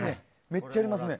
めっちゃやりますね。